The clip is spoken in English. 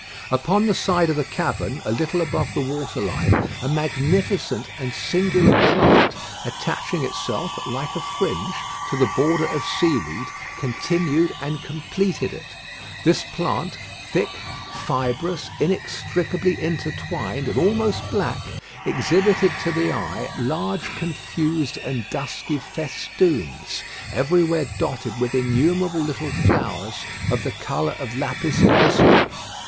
Upon the side of the cavern, a little above the water line, a magnificent and singular plant, attaching itself, like a fringe, to the border of seaweed, continued and completed it. This plant, thick, fibrous, inextricably intertwined, and almost black, exhibited to the eye large confused and dusky festoons, everywhere dotted with innumerable little flowers of the colour of lapis lazuli.